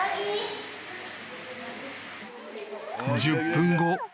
［１０分後。